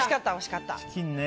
チキンね。